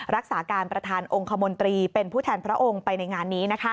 รักษาการประธานองค์คมนตรีเป็นผู้แทนพระองค์ไปในงานนี้